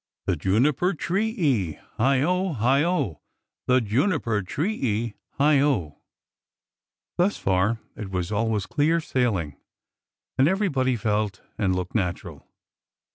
The juniper tree e, — heigh o! heigh ol The juniper tree e,— heigh o 1 " Thus far it was always clear sailing, and everybody felt and looked natural.